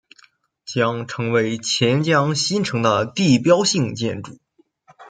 将成为钱江新城的地标性建筑。